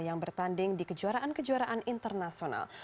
yang bertanding di kejuaraan kejuaraan internasional